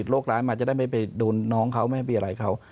แล้วจะได้ไปน้องเขาไม่ิ่งไปอะไรเขา